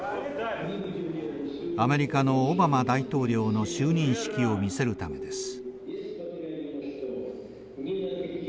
アメリカのオバマ大統領の就任式を見せるためです。